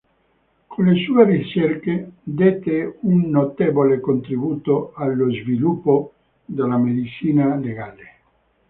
Con le sue ricerche dette un notevole contributo allo sviluppo della medicina legale.